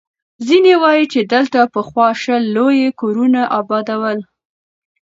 ځيني وایي، چې دلته پخوا شل لوی کورونه اباد ول.